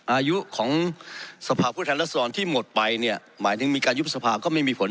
อายุของสภาพผู้แทนรัศดรที่หมดไปเนี่ยหมายถึงมีการยุบสภาก็ไม่มีผล